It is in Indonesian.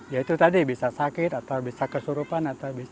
ya itu tadi bisa sakit atau bisa kesurupan